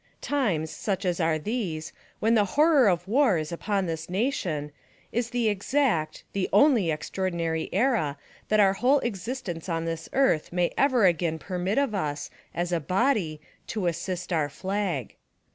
Times, such as are these, w'hen the horror .of war is upon this nation, is the exact, the only extraordinary era that our whole existence on this earth may ever again permit of us, as a body, to assist our Flag.